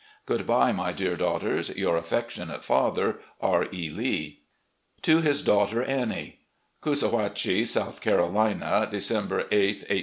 ... Good bye, my dear daughters. " Yoxu affectionate father, "R. E. Lee." To his daughter Annie: " Coosa WHATCH iE, South Carolina, "December 8, i86i.